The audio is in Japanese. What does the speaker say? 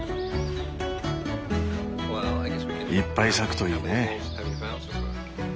いっぱい咲くといいね。